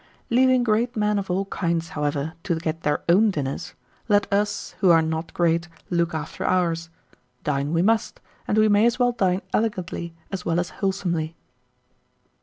Leaving great men of all kinds, however, to get their own dinners, let us, who are not great, look after ours. Dine we must, and we may as well dine elegantly as well as wholesomely.